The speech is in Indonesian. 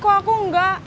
kok aku enggak